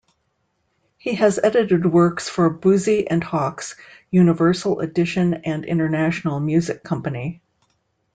He has edited works for Boosey and Hawkes, Universal Edition and International Music Company.